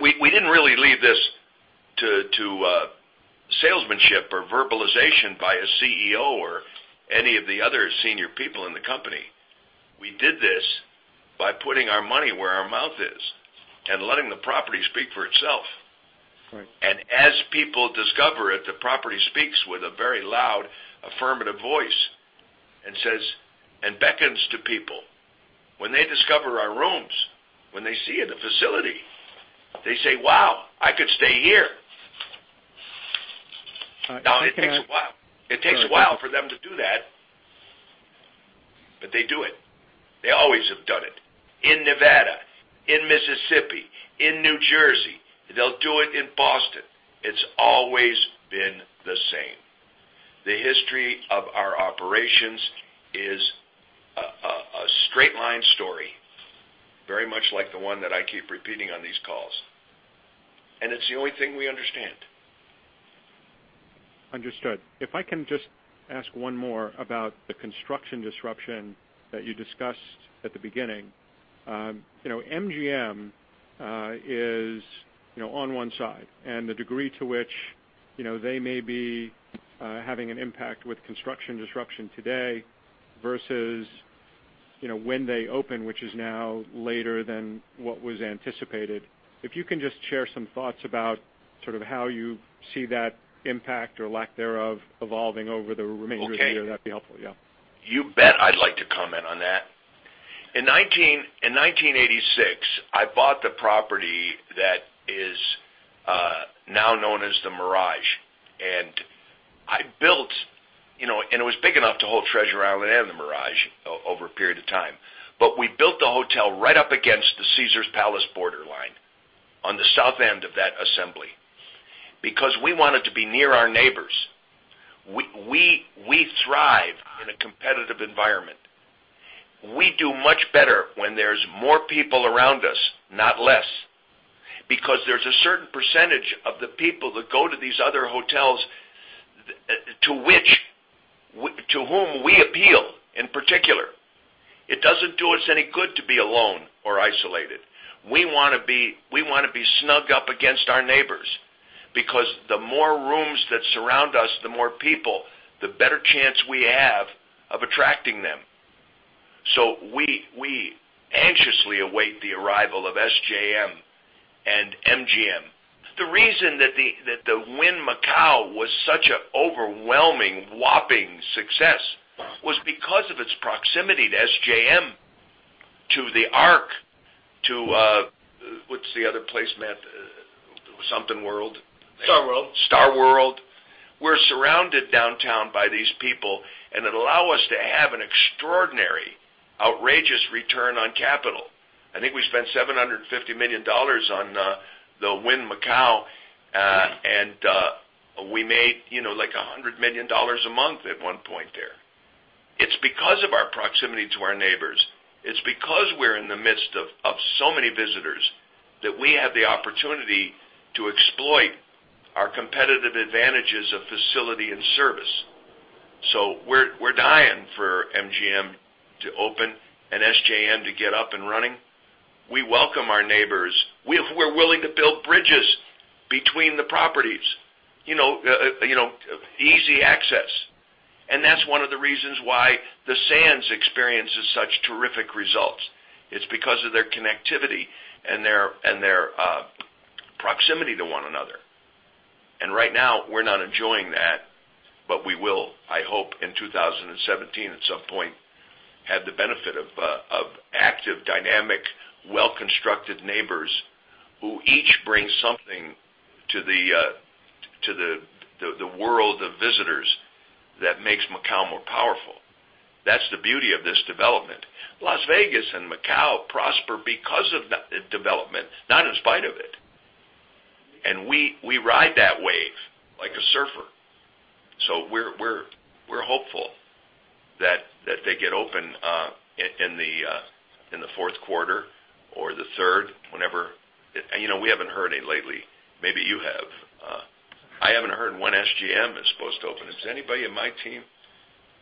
S3: We didn't really leave this to salesmanship or verbalization by a CEO or any of the other senior people in the company. We did this by putting our money where our mouth is and letting the property speak for itself.
S17: Right.
S3: As people discover it, the property speaks with a very loud, affirmative voice and beckons to people. When they discover our rooms, when they see the facility, they say, "Wow. I could stay here.
S17: All right.
S3: Now, it takes a while.
S17: All right.
S3: It takes a while for them to do that, but they do it. They always have done it. In Nevada, in Mississippi, in New Jersey. They'll do it in Boston. It's always been the same. The history of our operations is Straight line story, very much like the one that I keep repeating on these calls. It's the only thing we understand.
S17: Understood. If I can just ask one more about the construction disruption that you discussed at the beginning. MGM is on one side. The degree to which they may be having an impact with construction disruption today versus when they open, which is now later than what was anticipated. If you can just share some thoughts about how you see that impact, or lack thereof, evolving over the remainder of the year, that would be helpful.
S3: You bet I'd like to comment on that. In 1986, I bought the property that is now known as The Mirage. It was big enough to hold Treasure Island and The Mirage over a period of time. We built the hotel right up against the Caesars Palace borderline, on the south end of that assembly, because we wanted to be near our neighbors. We thrive in a competitive environment. We do much better when there's more people around us, not less, because there's a certain percentage of the people that go to these other hotels, to whom we appeal in particular. It doesn't do us any good to be alone or isolated. We want to be snug up against our neighbors, because the more rooms that surround us, the more people, the better chance we have of attracting them. We anxiously await the arrival of SJM and MGM. The reason that the Wynn Macau was such an overwhelming, whopping success was because of its proximity to SJM, to L'Arc, to, what's the other place, Matt? Something World.
S6: Star World.
S3: Star World. We're surrounded downtown by these people, and it allow us to have an extraordinary, outrageous return on capital. I think we spent $750 million on the Wynn Macau, and we made like $100 million a month at one point there. It's because of our proximity to our neighbors. It's because we're in the midst of so many visitors that we have the opportunity to exploit our competitive advantages of facility and service. We're dying for MGM to open and SJM to get up and running. We welcome our neighbors. We're willing to build bridges between the properties, easy access. That's one of the reasons why the Sands experiences such terrific results. It's because of their connectivity and their proximity to one another. Right now, we're not enjoying that, but we will, I hope, in 2017, at some point, have the benefit of active, dynamic, well-constructed neighbors who each bring something to the world of visitors that makes Macau more powerful. That's the beauty of this development. Las Vegas and Macau prosper because of development, not in spite of it. We ride that wave like a surfer. We're hopeful that they get open in the fourth quarter or the third, whenever. We haven't heard anything lately. Maybe you have. I haven't heard when SJM is supposed to open. Does anybody in my team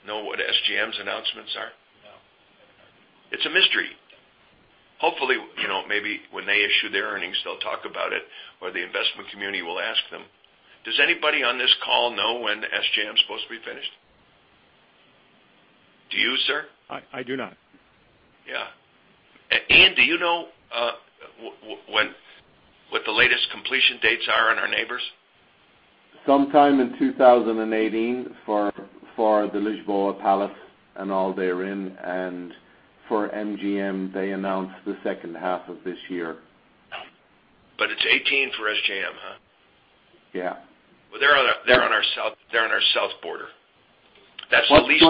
S3: know what SJM's announcements are?
S5: No. I haven't heard either.
S3: It's a mystery. Hopefully, maybe when they issue their earnings, they'll talk about it, or the investment community will ask them. Does anybody on this call know when SJM is supposed to be finished? Do you, sir?
S17: I do not.
S3: Yeah. Ian, do you know what the latest completion dates are on our neighbors?
S5: Sometime in 2018 for the Lisboa Palace and all therein, and for MGM, they announced the second half of this year.
S3: It's 2018 for SJM, huh?
S5: Yeah.
S3: They're on our south border. That's the least.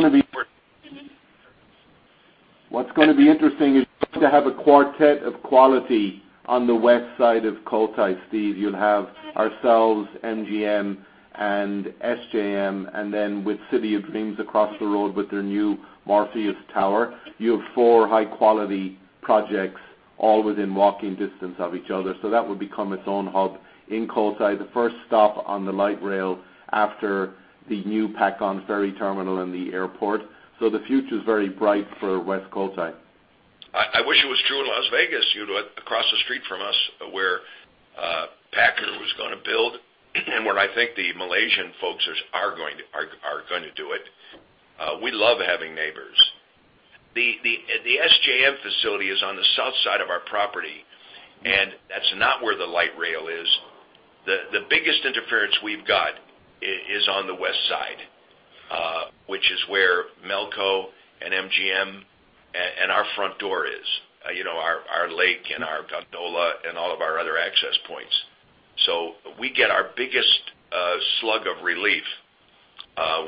S5: What's going to be interesting is you're going to have a quartet of quality on the west side of Cotai, Steve. You'll have ourselves, MGM, and SJM, and then with City of Dreams across the road with their new Morpheus Tower, you have four high-quality projects all within walking distance of each other. That would become its own hub in Cotai, the first stop on the light rail after the new Pac On Ferry Terminal and the airport. The future's very bright for West Cotai.
S3: I wish it was true in Las Vegas, across the street from us, where Packer was going to build, and where I think the Malaysian folks are going to do it. We love having neighbors. The SJM facility is on the south side of our property, and that's not where the light rail is. The biggest interference we've got is on the west side, which is where Melco and MGM and our front door is. Our lake and our gondola and all of our other access points. We get our biggest slug of relief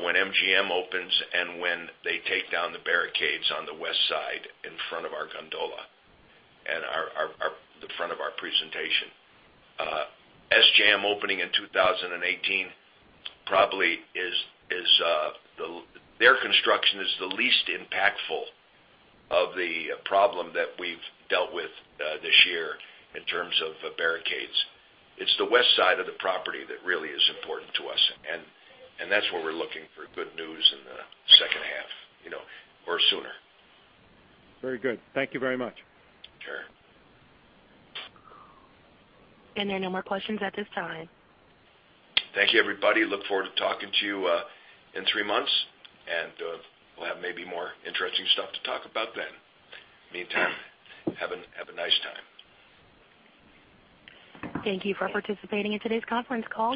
S3: when MGM opens and when they take down the barricades on the west side in front of our gondola and the front of our presentation. SJM opening in 2018, probably, their construction is the least impactful of the problem that we've dealt with this year in terms of barricades. It's the west side of the property that really is important to us, and that's where we're looking for good news in the second half or sooner.
S17: Very good. Thank you very much.
S3: Sure.
S1: There are no more questions at this time.
S3: Thank you, everybody. Look forward to talking to you in three months, and we'll have maybe more interesting stuff to talk about then. Meantime, have a nice time.
S1: Thank you for participating in today's conference call.